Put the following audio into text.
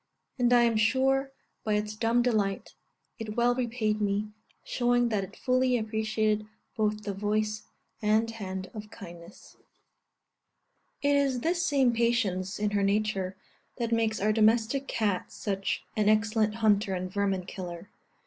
And I am sure, by its dumb delight, it well repaid me, showing that it fully appreciated both the voice, and hand of kindness." (See Note D, Addenda.) It is this same patience in her nature, that makes our domestic cat such an excellent hunter and vermin killer.